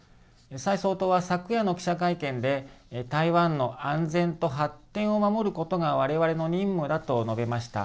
蔡総統は昨夜の記者会見で、台湾の安全と発展を守ることがわれわれの任務だと述べました。